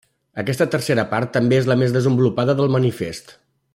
Aquesta tercera part també és la més desenvolupada del Manifest.